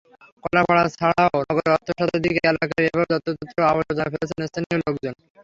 কলাপাড়া ছাড়াও নগরের অর্ধশতাধিক এলাকায় এভাবে যত্রতত্র আবর্জনা ফেলছেন স্থানীয় লোকজন।